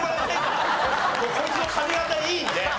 こいつの髪形いいんで。